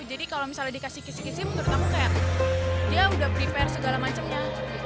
jadi kalau misalnya dikasih kisih kisih menurut aku kayak dia sudah prepare segala macemnya